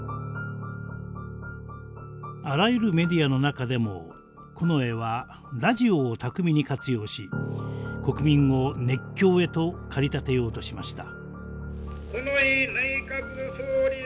あらゆるメディアの中でも近衛はラジオを巧みに活用し国民を熱狂へと駆り立てようとしました。